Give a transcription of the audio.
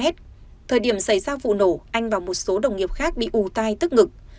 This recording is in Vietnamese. thời điểm xảy ra vụ nổ anh và một số đồng nghiệp khác bị ù tai tức ngực